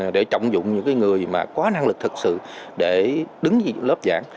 để trọng dụng những cái người mà có năng lực thực sự để đứng dưới lớp giảng